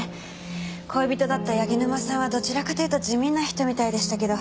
恋人だった柳沼さんはどちらかというと地味な人みたいでしたけど。